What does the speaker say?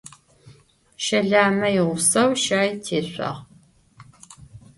Şelame yiğuseu şai têşsuağ.